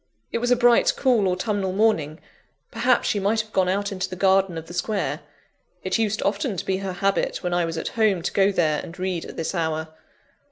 It was a bright, cool, autumnal morning; perhaps she might have gone out into the garden of the square: it used often to be her habit, when I was at home, to go there and read at this hour.